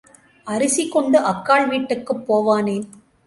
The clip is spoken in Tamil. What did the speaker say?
அரிசி கொண்டு அக்காள் வீட்டுக்குப் போவானேன்?